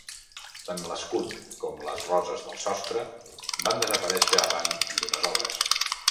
Tant l'escut com les roses del sostre van desaparèixer arran d'unes obres.